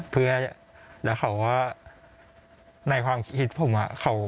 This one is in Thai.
เพื่อแล้วเขาก็ในความคิดผม